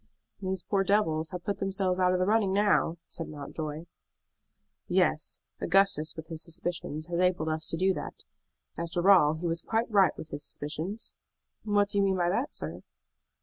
"These poor devils have put themselves out of the running now," said Mountjoy. "Yes; Augustus with his suspicions has enabled us to do that. After all, he was quite right with his suspicions." "What do you mean by that, sir?"